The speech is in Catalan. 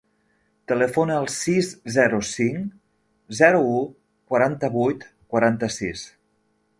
Telefona al sis, zero, cinc, zero, u, quaranta-vuit, quaranta-sis.